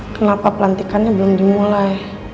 kenapa pelantikannya belum dimulai